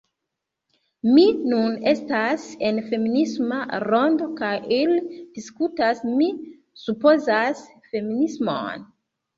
Mi nun estas en feminisma rondo kaj ili diskutas... mi supozas... feminismon